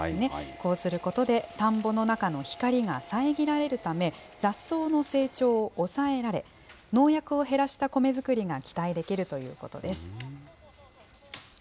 こうすることで、田んぼの中の光が遮られるため、雑草の成長を抑えられ、農薬を減らした米作りが期待できるということです。